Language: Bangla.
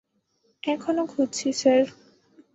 এখনও খুঁজছি, স্যার।